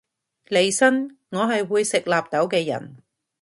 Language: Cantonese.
利申我係會食納豆嘅人